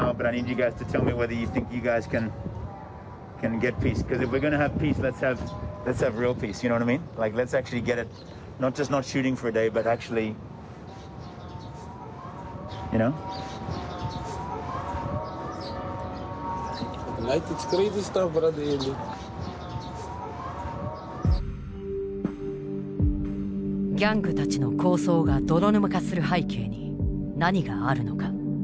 ギャングたちの抗争が泥沼化する背景に何があるのか。